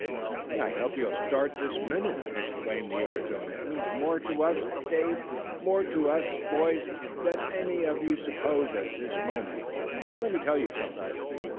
"Then I hope you'll start, this minute," exclaimed the yard's owner. "It means more to us, Dave more to us, boys than any of you suppose at this moment! Let me tell you something.